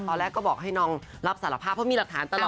ตอนแรกก็บอกให้น้องรับสารภาพเพราะมีหลักฐานตลอด